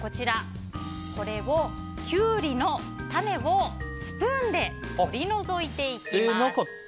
そして、キュウリの種をスプーンで取り除いていきます。